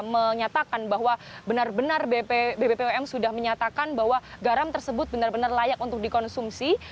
menyatakan bahwa benar benar bbpom sudah menyatakan bahwa garam tersebut benar benar layak untuk dikonsumsi